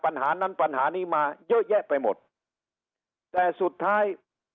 ปัญหานั้นปัญหานี้มาเยอะแยะไปหมดแต่สุดท้าย